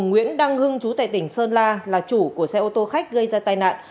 nguyễn đăng hưng chú tại tỉnh sơn la là chủ của xe ô tô khách gây ra tai nạn